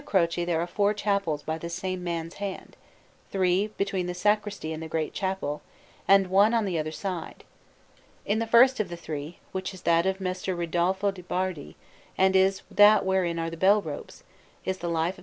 Croce there are four chapels by the same man's hand: three between the sacristy and the great chapel, and one on the other side. In the first of the three, which is that of Messer Ridolfo de' Bardi, and is that wherein are the bell ropes, is the life of S.